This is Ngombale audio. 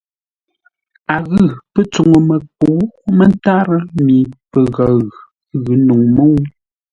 A ghʉ pə́ tsuŋu məkə̌u mə́ntárə́ mi pəghəʉ ghʉ̌ nǔŋ mə́u.